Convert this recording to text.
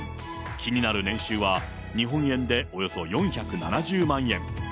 気になる年収は、日本円でおよそ４７０万円。